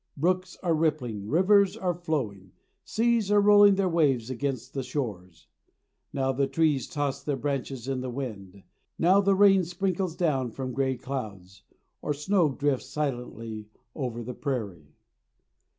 Brooks are rippling; rivers are flowing; seas are rolling their waves against the shores. Now the trees toss their branches in the wind; now the rain sprinkles down from gray clouds, or snow drifts silently over the prairie.